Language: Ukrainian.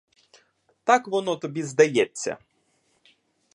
Так воно тобі здається.